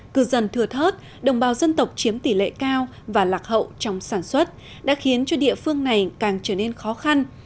cư dân thừa thớt đồng bào dân tộc chiếm tỷ lệ cao và lạc hậu trong sản xuất đã khiến cho địa phương này càng trở nên khó khăn